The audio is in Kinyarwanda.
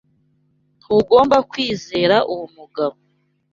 Ntugomba kwizera uwo mugabo.